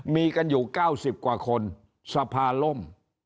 มีกันอยู่๙๐กว่าคนสภาล่ม